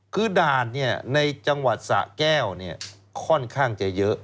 คือด่านในจังหวัดสะแก้วค่อนข้างจะเยอะ